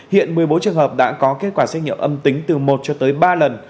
hiện một mươi bốn trường hợp đã có kết quả xét nghiệm âm tính từ một cho tới ba lần